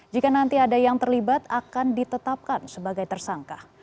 jika nanti ada yang terlibat akan ditetapkan sebagai tersangka